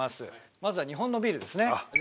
まずは日本のビールですね